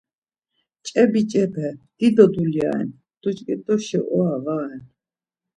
Ç̌e biç̌epe dido dulya ren, duç̌ǩinduşi ora va ren.